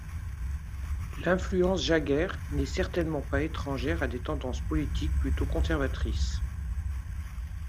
L'influence Jäger n'est certainement pas étrangère à des tendances politiques plutôt conservatrices.